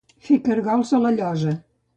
Fer cargols a la llosa.